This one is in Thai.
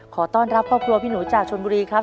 ขอต้อนรับครอบครัวพี่หนูจากชนบุรีครับ